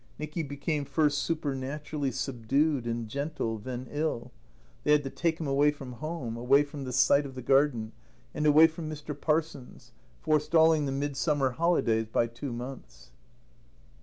Nicky became first supernaturally subdued and gentle, then ill. They had to take him away from home, away from the sight of the garden, and away from Mr. Parsons, forestalling the midsummer holidays by two months.